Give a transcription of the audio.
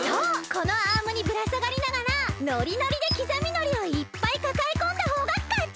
このアームにぶらさがりながらノリノリできざみ海苔をいっぱいかかえこんだほうがかち！